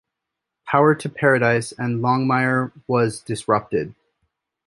Power to Paradise and Longmire was disrupted.